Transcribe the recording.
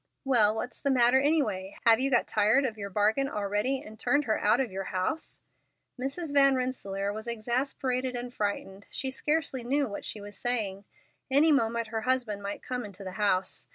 Well, what's the matter, any way? Have you got tired of your bargain already and turned her out of your house?" Mrs. Van Rensselaer was exasperated and frightened. She scarcely knew what she was saying. Any moment her husband might come into the house.